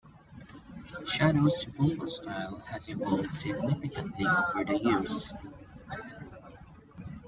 Shadows' vocal style has evolved significantly over the years.